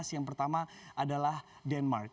yang pertama adalah denmark